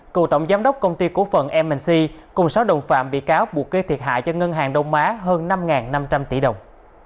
cựu tổng giám đốc công ty cổ phần mc cùng sáu đồng phạm bị cáo buộc gây thiệt hại cho ngân hàng đông á hơn năm năm trăm linh tỷ đồng